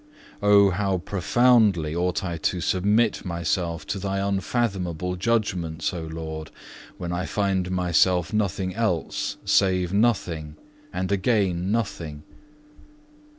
Oh, how profoundly ought I to submit myself to Thy unfathomable judgments, O Lord, when I find myself nothing else save nothing, and again nothing!